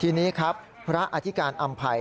ทีนี้ครับพระอธิการอำภัย